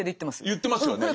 言ってますよね。